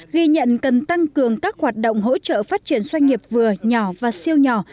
ghi nhận cần tăng cường các hoạt động hỗ trợ phát triển doanh nghiệp vừa nhỏ và siêu nhỏ